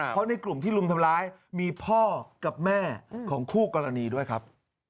เพราะในกลุ่มที่รุมทำร้ายมีพ่อกับแม่ของคู่กรณีด้วยครับ